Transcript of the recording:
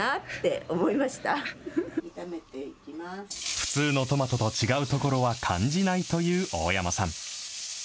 普通のトマトと違うところは感じないという大山さん。